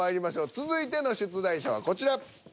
続いての出題者はこちら。